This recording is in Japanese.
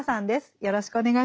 よろしくお願いします。